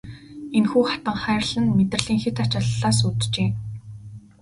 Энэхүү хатанхайрал нь мэдрэлийн хэт ачааллаас үүджээ.